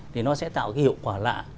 thì nó sẽ tạo cái hiệu quả lạ